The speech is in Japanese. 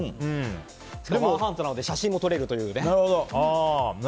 しかもワンハンドなので写真も撮れるというね。